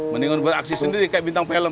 mendingan beraksi sendiri kayak bintang film